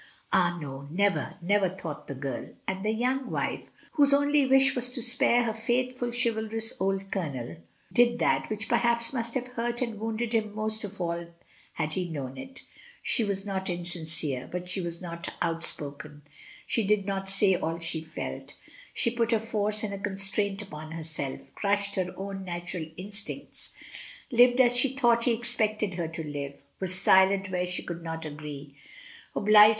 Ah, no, never, never, thought the girl. And the young wife, whose only wish was to spare her faithful, chivalrous old colonel, did that which perhaps must have hurt and wounded him most of all had he known it. She was not insincere, but she was not outspoken, she did not say all she felt, she put a force and a con straint upon herself, crushed her own natural in stincts, lived as she thought he expected her to live, was silent where she could not agree, obliged DAY BY DAY.